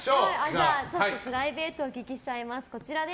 じゃあ、プライベートをお聞きしちゃいます。